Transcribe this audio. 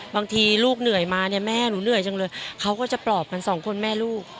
บางทีลูกเหนื่อยมาเนี่ยแม่หนูเหนื่อยจังเลยเขาก็จะปลอบกันสองคนแม่ลูก